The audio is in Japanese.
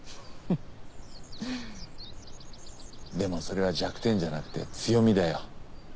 うんでもそれは弱点じゃなくて強みだよ。